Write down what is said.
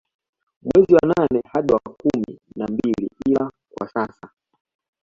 Mwezi wa nane hadi wa kumi na mbili ila kwa sasa